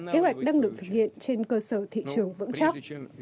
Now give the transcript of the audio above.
kế hoạch đang được thực hiện trên cơ sở thị trường vững chắc